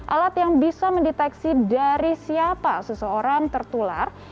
alat yang bisa mendeteksi dari siapa seseorang tertular